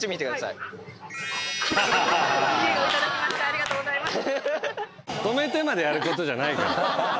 ありがとうございます。